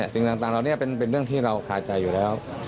สิ่งต่างเหล่านี้เป็นเรื่องที่เราคาใจอยู่แล้ว